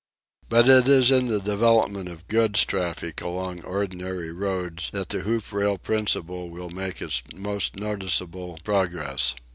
But it is in the development of goods traffic along ordinary roads that the hoop rail principle will make its most noticeable progress.